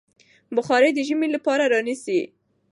بخارۍ د ژمي لپاره رانيسئ.